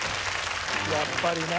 やっぱりな。